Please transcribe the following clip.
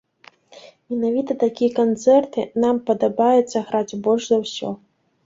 Менавіта такія канцэрты нам падабаецца граць больш за ўсё.